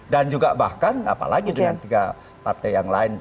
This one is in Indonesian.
dan juga bahkan apalagi dengan tiga partai yang lain